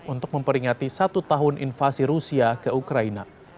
untuk memperingati satu tahun invasi rusia ke ukraina